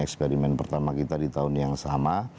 eksperimen pertama kita di tahun yang sama